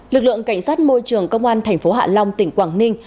lực lượng cảnh sát môi trường công an tp hạ long tỉnh quảng ninh